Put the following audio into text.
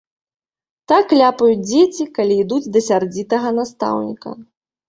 Так ляпаюць дзеці, калі ідуць да сярдзітага настаўніка.